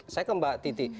saya ke mbak titi